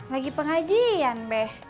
lagi pengajian beh